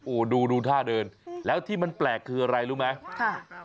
โอ้โหดูดูท่าเดินแล้วที่มันแปลกคืออะไรรู้ไหมค่ะ